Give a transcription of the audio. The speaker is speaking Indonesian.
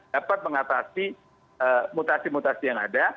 dapat mengatasi mutasi mutasi yang ada